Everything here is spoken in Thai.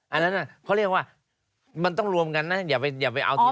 อันนั้นเขาเรียกว่ามันต้องรวมกันนะอย่าไปเอาที่